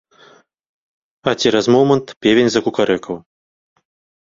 А цераз момант певень закукарэкаў.